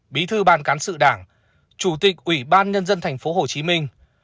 bí thư ban cán sự đảng chủ tịch ủy ban nhân dân thành phố hồ chí minh